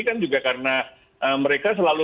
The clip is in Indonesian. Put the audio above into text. kan juga karena mereka selalu